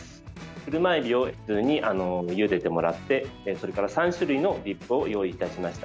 クルマエビをゆでてもらって３種類のディップを用意いたしました。